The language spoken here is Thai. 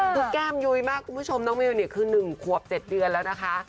คือแก้มยุยมากคุณผู้ชมน้องมิวเนี่ยคือ๑ขวบ๗เดือนแล้วนะคะ